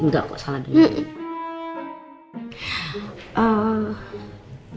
enggak kok salah dengar